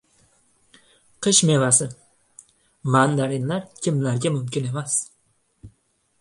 “Qish mevasi”. Mandarinlar kimlarga mumkin emas?